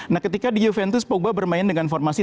nah ketika di juventus pogba bermain dengan formasi